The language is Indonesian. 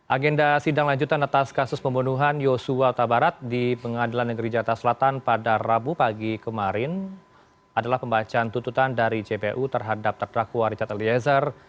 agenda sidang lanjutan atas kasus pembunuhan yosua tabarat di pengadilan negeri jatah selatan pada rabu pagi kemarin adalah pembacaan tututan dari jpu terhadap terdakwa richard eliezer